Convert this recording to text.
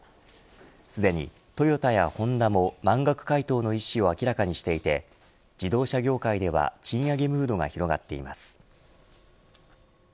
すでにトヨタやホンダも満額回答の意思を明らかにしていて自動車業界では賃上げムードが広がっています。